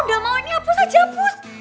udah mau ini hapus aja hapus